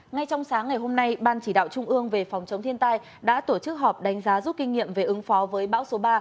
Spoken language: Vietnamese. ngay trong sáng ngày hôm nay ban chỉ đạo trung ương về phòng chống thiên tai đã tổ chức họp đánh giá rút kinh nghiệm về ứng phó với bão số ba